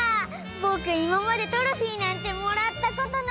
ぼくいままでトロフィーなんてもらったことないのに！